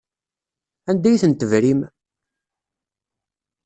Anda ay ten-tebrim?